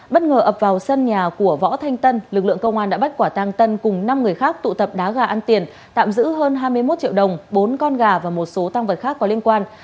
bất ngờ ập vào sân nhà của võ thanh tân lực lượng công an đã bắt quả tăng tân cùng năm người khác tụ tập đá gà ăn tiền tạm giữ hơn hai mươi một triệu đồng bốn con gà và một số tăng vật khác có liên quan